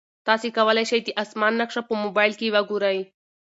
تاسي کولای شئ د اسمان نقشه په موبایل کې وګورئ.